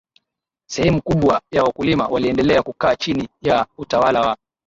sehemu kubwa ya wakulima waliendelea kukaa chini ya utawala wa